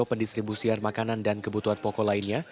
pendistribusian makanan dan kebutuhan pokok lainnya